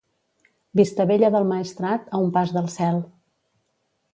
Vistabella del Maestrat, a un pas del cel.